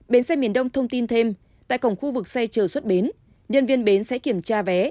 bến xe miền đông thông tin thêm tại cổng khu vực xe chờ xuất bến nhân viên bến sẽ kiểm tra vé